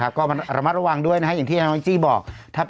เอ้าเรื่องนี้เป็นยังไงคะ